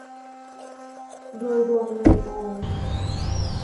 โดยรวมเลยโอ